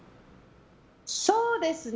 そうですね。